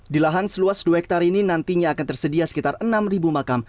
di lahan seluas dua hektare ini nantinya akan tersedia sekitar enam makam